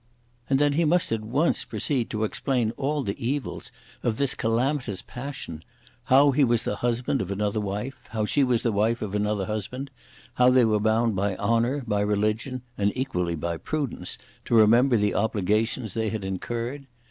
And then he must at once proceed to explain all the evils of this calamitous passion; how he was the husband of another wife; how she was the wife of another husband; how they were bound by honour, by religion, and equally by prudence to remember the obligations they had incurred.